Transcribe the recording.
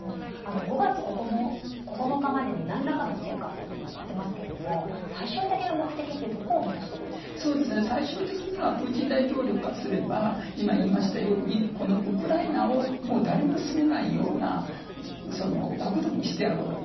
５月９日までに何らかの成果と言っていますけれども最終的な目的って最終的にはプーチン大統領からすれば今、言いましたようにウクライナを誰も住めないような黒土にしてやろうと。